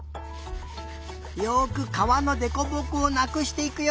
よくかわのでこぼこをなくしていくよ。